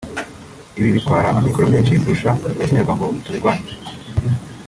ibi bitwara amikoro menshi kurusha akenerwa ngo tubirwanye